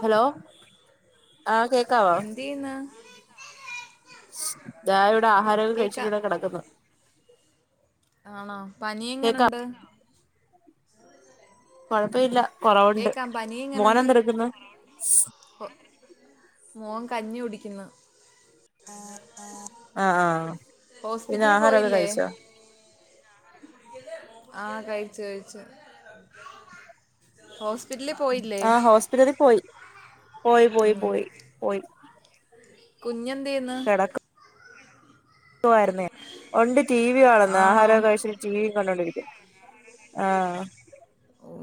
Hello ആഹ് കേക്കാവോ? പിന്ന ഇതാ ഇവിടെ ആഹാരൊക്കെ കഴിച്ചിട്ട് കേക്കാം ഇവിടെ കിടക്കുന്നു ആണോ പനി കേക്കാം എങ്ങെനുണ്ട് കൊഴപ്പവില്ല കൊറവുണ്ട് കേക്കാം പനി മോനെ എങ്ങനുണ്ട് എന്ത എടുക്ക്ന്നെ മോൻ കഞ്ഞി കുടിക്കുന്നു ആഹ് ആഹ് പിന്നെ ഹോസ്പിറ്റലി ആഹാരമൊക്കെ പോയില്ലേ? കഴിച്ചോ ആ കഴിച് കഴിച്ച് ഹോസ്പിറ്റലി പോയില്ലേ? ത്രി പോയി പോയി പോയി പോയി പോയി കുഞ്ഞെന്തേന്ന് ആയിരുന്നേ ഒണ്ട് ടി വി കണെന്ന് ആണോ ആഹാരൊക്കെ കയിച്ച് ടിവി കണ്ടോണ്ടിരിക്ക ആഹ്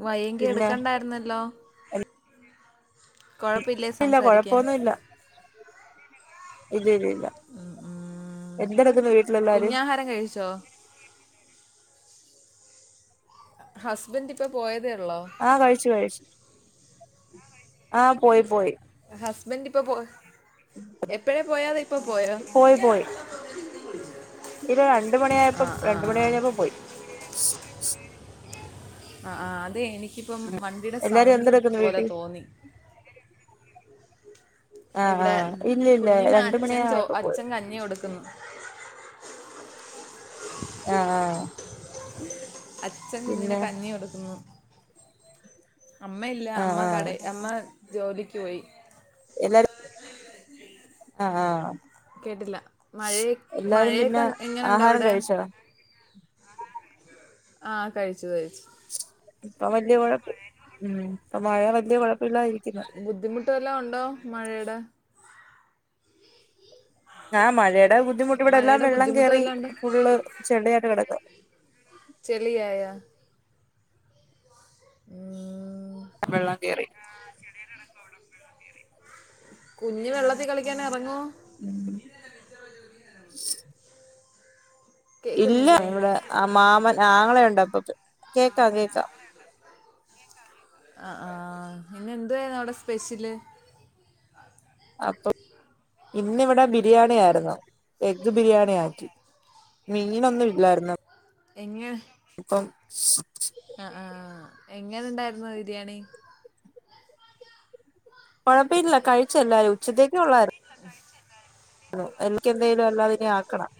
വയങ്കി പിന്നെ എടുക്കണ്ടായിരുന്നല്ലോ? കൊഴപ്പല്ലേ ഇല്ല സംസാരിക്കാൻ കൊഴപ്പൊന്നുമില്ല ഇല്ല ഇല്ല ഇല്ല എന്ത എടുക്കുന്നെ വീട്ടിലെല്ലാരും ആഹാരം കഴിച്ചോ ഹസ്ബൻഡ് ഇപ്പൊ പോയതേ ഒള്ളോ ആഹ് കഴിച്ചു കഴിച്ചു ആഹ് പോയി പോയി ഹസ്ബൻഡ് ഇപ്പൊ പോ എപ്പഴാ പോയാത ഇപ്പൊ പോയൊ ഇത് രണ്ട് മണി ആയപ്പോ ആ രണ്ട് മണി ആ കഴിഞ്ഞപ്പോ പോയി ആ ആ അതെ എനിക്കിപ്പം വണ്ടിടെ എല്ലാരും സൗണ്ട് എന്തെടുക്കുന്നു പോലെ വീട്ടിൽ തോന്നി ആഹ് ഇവിടെ ആഹ് ഇല്ല ഇല്ല കുഞ്ഞിന് രണ്ട് അച്ഛൻ ചൊ മണിയായപ്പോ പോയി അച്ഛൻ കഞ്ഞി കൊടുക്ക്‌ന്ന് ആഹ് ആ അച്ഛൻ കുഞ്ഞിന് കഞ്ഞി കൊടുക്കുന്നു അമ്മയില്ല ആഹ് അമ്മ ആഹ് കടെ അമ്മ ജോലിക്ക് പോയി എല്ലാരും ആഹ് ആഹ് കേട്ടില്ല മയെയ എല്ലാരും പിന്നെ മഴയൊക്കെ എങ്ങനെണ്ട ആഹാരം അവിടെ കഴിച്ചോ ആഹ് കഴിച്ചു കഴിച്ചു ഇപ്പ വല്യ കുഴപ്പ ഉം ഇപ്പ മഴ വല്യ കുഴപ്പമില്ലാതിരി ബുദ്ധിമുട്ട് വല്ലോം ഒണ്ടോ മഴയേടെ ആഹ് മഴേടെ ബുദ്ധിമുട്ട് ഇവിടെ എല്ലാം വെള്ളം ബുദ്ധിമുട്ട് കേറി വല്ലതും ഉണ്ടോ ഫുള്ള് ചെളിയായിട്ട് കെടക്കാ ചെളി ആയാ ഉം വെള്ളം കേറി ആഹ് ചെളിയായി കെടക്ക ഇവ്ടെ വെള്ളം കേറി കുഞ്ഞ് വെള്ളത്തിൽ കളിക്കാൻ എറങ്ങോ ഉം ഇല്ല കേൾക്കുന്നില്ലേ നിങ്ങ ആ മാമൻ ആങ്ങളെ ഉണ്ട് അപ്പ കേക്ക കേക്കാം ആ ആ ഹ് പിന്നെ എന്തുരുന്നു അവിടെ സ്പെഷ്യല് അപ്പൊ ഇന്നിവിടെ ബിരിയാണി ആയിരുന്നു എഗ്ഗ് ബിരിയാണി ആക്കി മീനൊന്നും ഇല്ലായിരുന്നു എങ്ങെ അപ്പം ആ ആഹ് എങ്ങനെണ്ടായിരുന്നു ബിരിയാണി കുഴപ്പില്ല കഴിച്ചല്ലാരും ഉച്ചത്തേക്ക് ഉള്ളാരുന്നു എനക്ക് എന്തേലും അല്ലാതിനെ ആക്കണം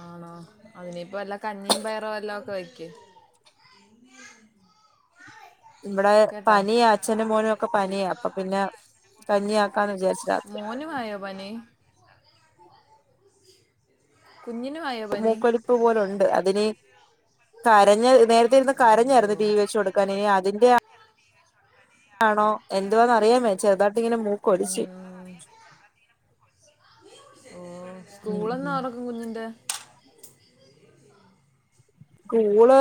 ആണോ അതിനിപ്പോ എല്ലാം കഞ്ഞിയും പയറ എല്ലാം ഒക്കെ വയ്ക്ക് ഇവിടെ കേട്ടോ പനിയാ അച്ഛന്റെ മോനും ഒക്കെ പനിയാ അപ്പൊ പിന്നെ കഞ്ഞി ആക്കാന്ന് വിചാരിച്ചു രാത്രി [unintelligible] ആയോ പനി കുഞ്ഞിനു ആയോ മൂക്കൊലിപ്പ് പോലുണ്ട് അതിന് കരഞ്ഞ നേരത്തെ ഇരുന്ന് അയ്യോ കരഞ്ഞായിരുന്നു ടി വി വെച്ച് കൊടുക്ക അതിന്റെ ആണോ എന്തുവ ന്ന് അറിയാമേ ചെുതട്ട ഇങ്ങനെ മൂ ഉം ഓഹ് ഉം സ്കൂള എന്നാ ഉം തുറക്കും കുഞ്ഞിന്റെ സ്കൂള്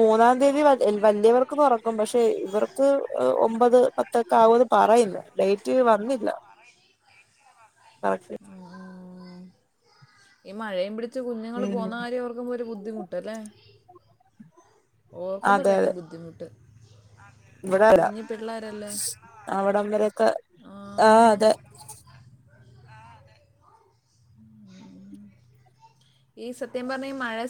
മൂന്നാം തീയതി വലിയവർക്ക് തുറക്കും പക്ഷെ ഇവർക്ക് ഒമ്പത് പത്തൊക്കെ ആകുമെന്ന് പറയുന്നു ഡേറ്റ് വന്നില്ല [inaudible] [unintelligible] ഈ മഴയും പിടിച്ച് കുഞ്ഞുങ്ങൾ ഉം പോകുന്ന കാര്യം ഓർക്കുമ്പോ ഒരു ബുദ്ധിമുട്ട് ട്ട്ലേ ഓർക്കുമ്പോ അതെ തന്നെ അതെ ബുദ്ധിമുട്ട് ഇവിടെ കുഞ്ഞു പിള്ളേരല്ലേ അവിടം വരൊക്കെ ആഹ് ആ അതെ ഈ സത്യം പറഞ്ഞ മഴ